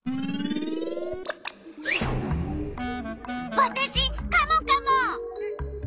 わたしカモカモ！